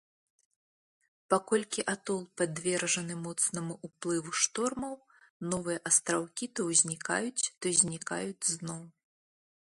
Паколькі атол падвержаны моцнаму ўплыву штормаў, новыя астраўкі то ўзнікаюць, то знікаюць зноў.